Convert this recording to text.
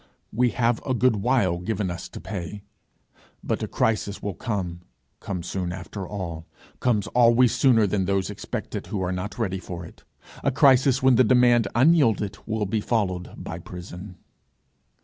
We have a good while given us to pay, but a crisis will come come soon after all comes always sooner than those expect it who are not ready for it a crisis when the demand unyielded will be followed by prison.